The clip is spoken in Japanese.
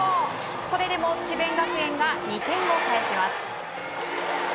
それでも智弁学園が２点を返します。